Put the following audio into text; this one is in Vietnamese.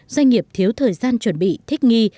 doanh nghiệp thiếu thời gian chuẩn bị thích nghi